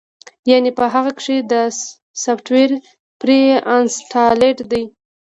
يعنې پۀ هغۀ کښې دا سافټوېر پري انسټالډ دے